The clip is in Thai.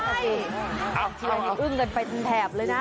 จริงอะไรนี่อึ้งกันไปแผบเลยนะ